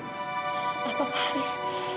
apa pak haris